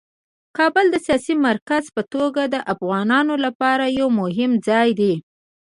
کابل د سیاسي مرکز په توګه د افغانانو لپاره یو مهم ځای دی.